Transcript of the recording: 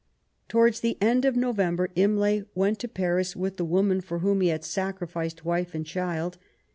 Towards the end of November Imlay went to Paris with the woman for whom he had sacrificed wife and child.